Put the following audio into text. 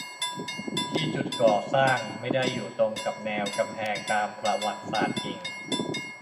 ที่จุดก่อสร้างไม่ได้อยู่ตรงกับแนวกำแพงตามประวัติศาสตร์จริง